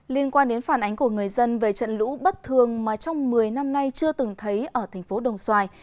liên quan đến phản ánh của người dân về trận lũ bất thường mà trong một mươi năm nay chưa từng thấy ở thành phố đồng xoài